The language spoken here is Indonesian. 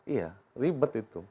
iya ribet itu